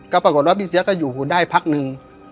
ก็ปรากฏว่าพี่เสียก็อยู่ได้พักหนึ่ง